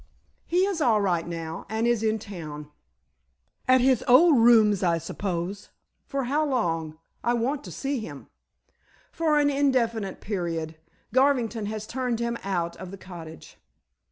"He is all right now, and is in town." "At his old rooms, I suppose. For how long? I want to see him." "For an indefinite period. Garvington has turned him out of the cottage."